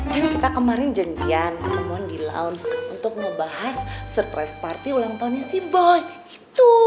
kan kita kemarin janjian namun di lounge untuk membahas surprise party ulang tahunnya si boy